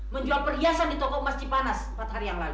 menjual perhiasan di toko emas cipanas empat hari yang lalu